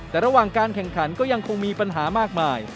แต่ระหว่างการแข่งขันก็ยังคงมีปัญหามากมาย